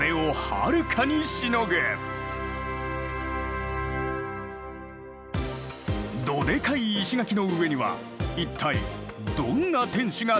どでかい石垣の上には一体どんな天守が立っていたのか？